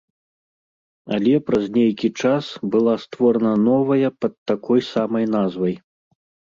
Але праз нейкі час была створана новая пад такой самай назвай.